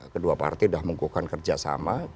kedua partai sudah mengukuhkan kerjasama